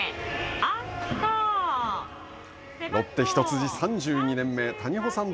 ロッテ一筋３２年目谷保さん